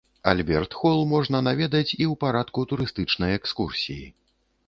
Альберт-хол можна наведаць і ў парадку турыстычнай экскурсіі.